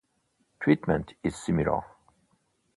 Treatment is similar.